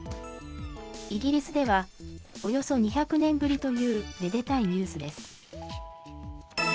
イギリスではおよそ２００年ぶりというめでたいニュースです。